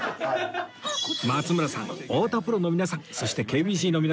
松村さん太田プロの皆さんそして ＫＢＣ の皆さん